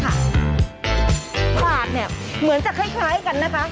บาทเนี่ยเหมือนจะคล้ายกันนะคะ